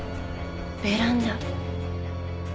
ベランダ。